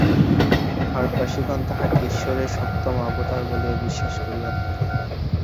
ভারতবাসিগণ তাঁহাকে ঈশ্বরের সপ্তম অবতার বলিয়া বিশ্বাস করিয়া থাকে।